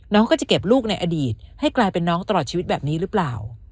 น้องก็จะเก็บลูกในอดีตให้กลายเป็นน้องตลอดชีวิตแบบนี้หรือเปล่า